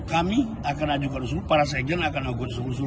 kami akan ajukan usul para sejen akan ajukan usul